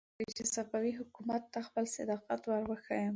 اوس زما وار دی چې صفوي حکومت ته خپل صداقت ور وښيم.